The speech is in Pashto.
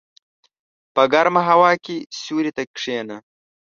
په ګرمه هوا کې سیوري ته کېنه.